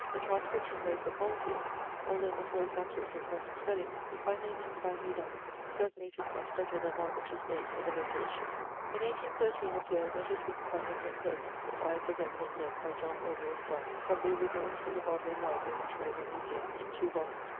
The transcription made for Caulfield, although not always accurate in point of spelling, is by no means badly done: certainly it is much better than that which was made for the later issue. In 1813 appeared 'Letters written by Eminent Persons ... and Lives of Eminent Men by John Aubrey, Esq. ... from the originals in the Bodleian Library and Ashmolean Museum: in two volumes.'